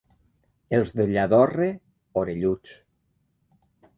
Els de Lladorre, orelluts.